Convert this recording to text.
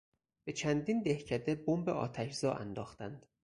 به چندین دهکده بمب آتشزا انداختند.